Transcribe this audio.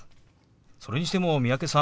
それにしても三宅さん